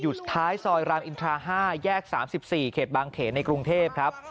ท้ายซอยรามอินทรา๕แยก๓๔เขตบางเขนในกรุงเทพครับ